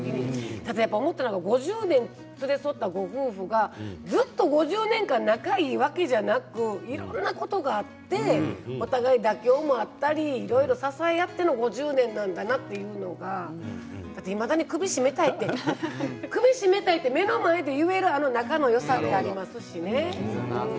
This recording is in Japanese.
ただ思ったのが５０年連れ添ったご夫婦がずっと５０年間仲いいわけじゃなくいろんなことがあってお互いに妥協もあったり支え合ったりの５０年なんだなというのがいまだに首を苦しめいって目の前で言えるあの仲のよさはありますしね。